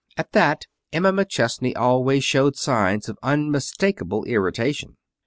At that Emma McChesney always showed signs of unmistakable irritation.